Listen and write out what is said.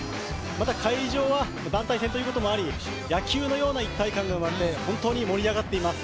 また会場は団体戦ということもあり野球のような一体感が生まれて本当に盛り上がっています。